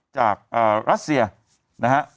จากรัสเซียนะครับ